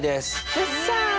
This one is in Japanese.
よっしゃ！